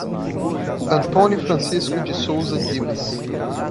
Antônio Francisco de Sousa Dimas